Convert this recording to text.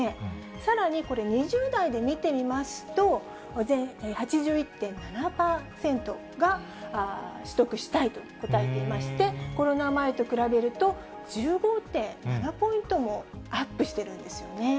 さらにこれ、２０代で見てみますと、８１．７％が取得したいと答えていまして、コロナ前と比べると１５．７ポイントもアップしてるんですよね。